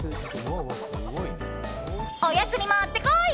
おやつにもってこい！